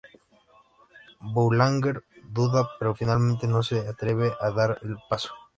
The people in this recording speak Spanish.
Boulanger duda, pero finalmente no se atreve a dar el paso.